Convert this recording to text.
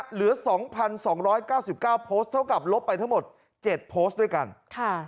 เหลือ๒๒๙๙โพสต์เท่ากับลบไปทั้งหมดเจ็ดโพสต์ด้วยกันค่ะ